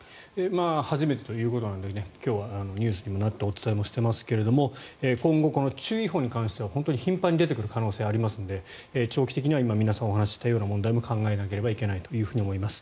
初めてということなので今日はニュースにもなってお伝えしていますが今後、注意報に関しては頻繁に出てくる可能性がありますので長期的には今、皆さんがお話ししたような問題も考えなければいけないと思います。